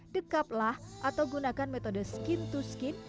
dekaplah atau gunakan metode skin to skin